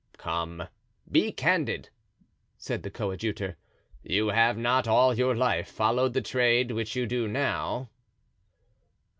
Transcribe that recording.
"Come, be candid," said the coadjutor, "you have not all your life followed the trade which you do now?"